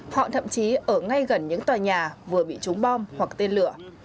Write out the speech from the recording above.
họ thậm chí ở ngay gần những tòa nhà vừa bị trúng bom hoặc tên lửa